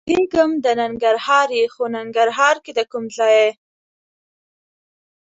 پوهېږم د ننګرهار یې؟ خو ننګرهار کې د کوم ځای یې؟